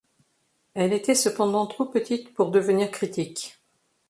Elle était cependant trop petite pour devenir critique.